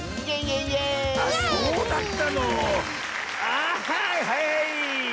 あはいはい。